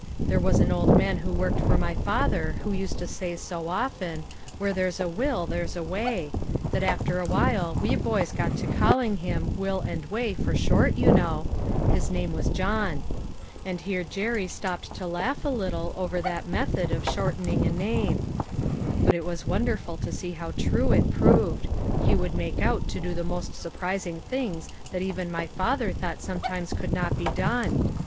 There was an old man who worked for my father, who used to say so often :' Where there's a will there's a way,' that after awhile we boys got to calling him 'Will and Way' for short, you know; his name was John," and here Jerry stopped to laugh a little over that method of shortening a name ;" but it was wonderful to see how true it proved ; he would make out to do the most surprising things that even my father thought sometimes could not be done.